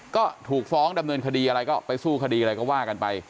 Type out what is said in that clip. ก็ถูกฟ้องดำเนินคดีอะไรก็ไปสู้คดีอะไรก็ว่ากันไป